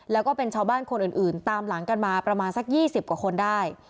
แล้วก็เป็นชาวบ้านคนอื่นตามหลังกันมาประมาณสัก๒๐กว่าคนได้